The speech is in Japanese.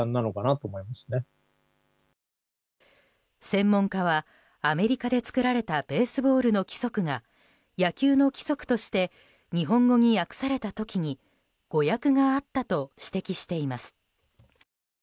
専門家は、アメリカで作られたベースボールの規則が野球の規則として日本語に訳された時に誤訳があったと指摘しています。